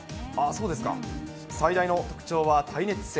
そうですか、最大の特徴は耐熱性。